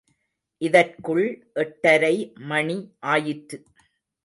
இதற்குள் எட்டரை மணி ஆயிற்று.